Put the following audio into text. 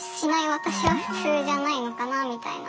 私は普通じゃないのかなみたいな。